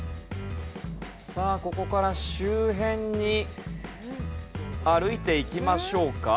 さあここから周辺に歩いていきましょうか。